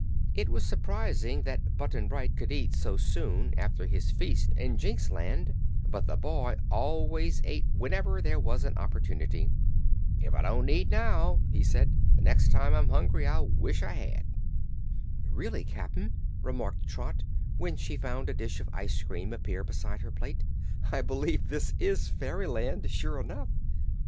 It was surprising that Button Bright could eat so soon after his feast in Jinxland, but the boy always ate whenever there was an opportunity. "If I don't eat now," he said, "the next time I'm hungry I'll wish I had." "Really, Cap'n," remarked Trot, when she found a dish of ice cream appear beside her plate, "I b'lieve this is fairyland, sure enough."